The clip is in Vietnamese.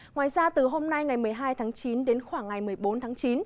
ngoài ra từ hôm nay ngày một mươi hai tháng chín đến khoảng ngày một mươi bốn tháng chín